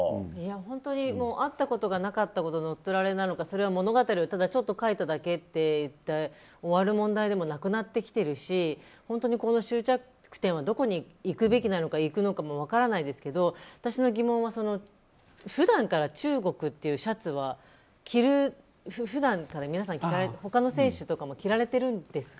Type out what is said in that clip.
本当にあったことがなかったことになって乗っ取りなのかそれは物語をちょっと書いただけと言って終わる問題でもなくなってきているしこの終着点はどこに行くべきなのか行くのかも分からないですけど私の疑問は普段から「中国」っていうシャツは他の選手とかも着られてるんですか。